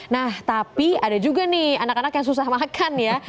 nah tapi ada juga nih anak anak yang susah makan ya